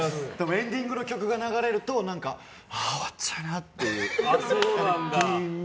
エンディングの曲が流れると何か、ああ終わっちゃうなと。